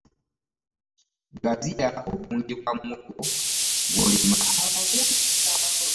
Gaziya obungi bwa muwogo gwolima